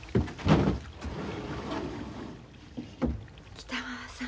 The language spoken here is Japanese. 北川さん。